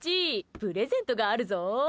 プレゼントがあるぞ。